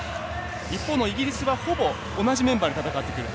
一方のイギリスはほぼ同じメンバーで戦っていると。